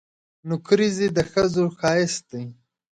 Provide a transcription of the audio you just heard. نکریزي د ښځو ښایست دي.